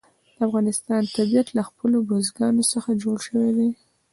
د افغانستان طبیعت له خپلو بزګانو څخه جوړ شوی دی.